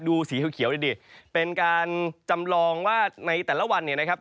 สีเขียวดีเป็นการจำลองว่าในแต่ละวันเนี่ยนะครับ